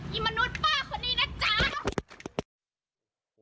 อีมนุษย์ป้าของนี่นะจ๊ะ